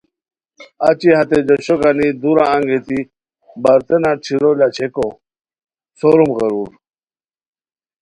اچی ہتے جوشو گانی دُورہ انگیتی برتنہ ݯھیرو لا چھئیکو سوروم غیرور